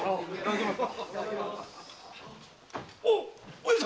上様！